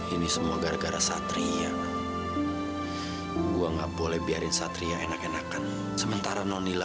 ini semua gara gara satria gue nggak boleh biarin satria enak enakan sementara nonila